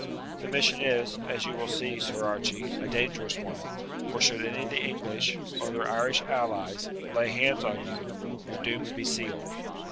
The mission is, as you will see, Sir Archie, a dangerous one; for should any of the English, or their Irish allies, lay hands on you, your doom would be sealed.